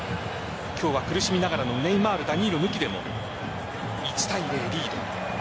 今日は苦しみながらのネイマール、ダニーロ抜きでも１対０、リード。